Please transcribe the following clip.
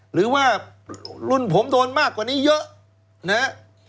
หรือว่ารุ่นผมโดนมากกว่านี้เยอะนะฮะ